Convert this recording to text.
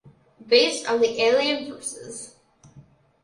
Based on the Alien vs.